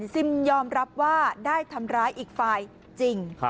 ซิมยอมรับว่าได้ทำร้ายอีกฝ่ายจริง